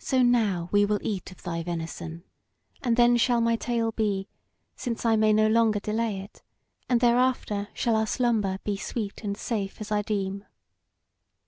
So now we will eat of thy venison, and then shall my tale be, since I may no longer delay it; and thereafter shall our slumber be sweet and safe as I deem."